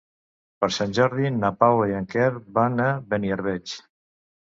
Per Sant Jordi na Paula i en Quer van a Beniarbeig.